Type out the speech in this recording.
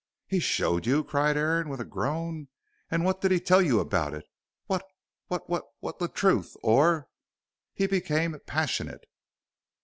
"He showed you!" cried Aaron, with a groan. "And what did he tell you about it? what what what the truth or " He became passionate.